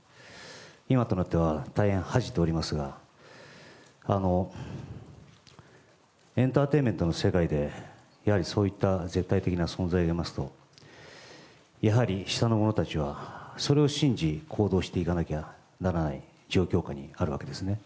今となっては大変、恥じておりますがエンターテインメントの世界でそういった絶対的な存在がありますとやはり、下の者たちはそれを信じ行動していかなくてはならない状況下にあるわけですね。